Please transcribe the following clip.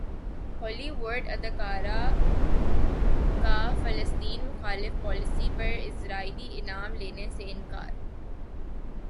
ہالی وڈ اداکارہ کا فلسطین مخالف پالیسی پر اسرائیلی انعام لینے سے انکار